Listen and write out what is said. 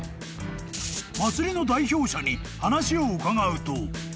［祭りの代表者に話を伺うと］